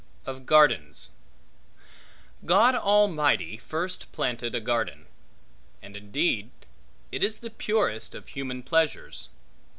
Of Gardens GOD Almighty first planted a garden. And indeed it is the purest of human pleasures.